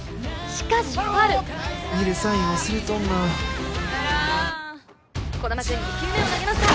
しかしファウル楡サイン忘れとんな児玉くん２球目を投げました